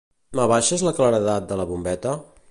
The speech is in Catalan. M'abaixes la claredat de la bombeta?